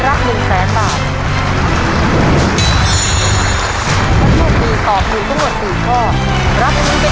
รับทุนไปต่อที่สูงสุด๑๐๐๐บาท